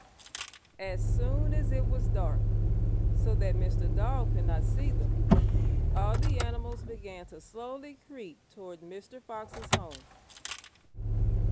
As soon as it was dark, so that Mr. Dog could not see them, all the animals began to slowly creep toward Mr. Fox's home.